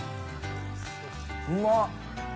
うまっ。